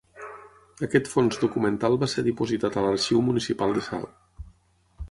Aquest fons documental va ser dipositat a l'Arxiu Municipal de Salt.